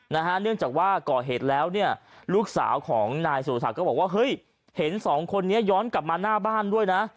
เนื่องจากว่าก่อเหตุแล้วเนี่ยลูกสาวของนายสุรศักดิ์ก็บอกว่าเฮ้ยเห็นสองคนนี้ย้อนกลับมาหน้าบ้านด้วยนะ